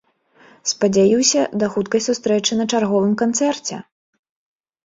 Спадзяюся, да хуткай сустрэчы на чарговым канцэрце!